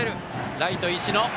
ライト、石野。